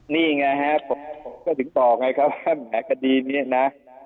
นี่ไงนิงคะแฮผมจะถึงตอบไงครับว่าแห่งคดีนี้นะ